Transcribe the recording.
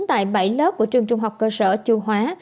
tại bảy lớp của trường trung học cơ sở chu hóa